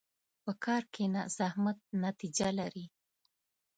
په کار کښېنه، زحمت نتیجه لري.